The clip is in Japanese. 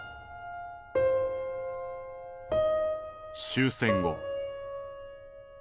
終戦後。